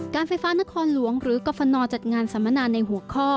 การไฟฟ้านครหลวงหรือกรฟนจัดงานสัมมนาในหัวข้อ